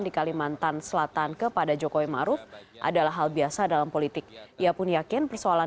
di kalimantan selatan kepada jokowi maruf adalah hal biasa dalam politik ia pun yakin persoalan